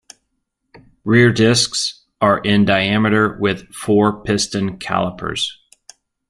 Rear discs are in diameter with four-piston calipers.